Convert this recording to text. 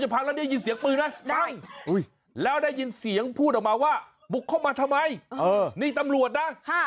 ได้ยินเสียงปืนไหมดังแล้วได้ยินเสียงพูดออกมาว่าบุกเข้ามาทำไมนี่ตำรวจนะ